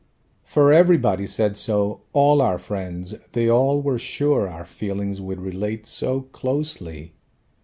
"For everybody said so, all our friends, They all were sure our feelings would relate So closely!